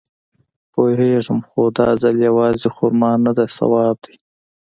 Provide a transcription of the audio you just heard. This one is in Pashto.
پوېېږم خو دا ځل يوازې خرما نده ثواب دی.